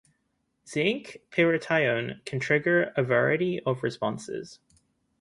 Zinc pyrithione can trigger a variety of responses.